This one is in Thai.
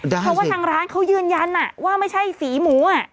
เพราะว่าทางร้านเขายืนยันว่าไม่ใช่สีหมู